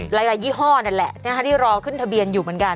ยี่ห้อนั่นแหละที่รอขึ้นทะเบียนอยู่เหมือนกัน